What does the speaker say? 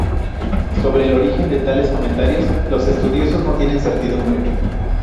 Sobre el origen de tales comentarios los estudiosos no tienen certidumbre.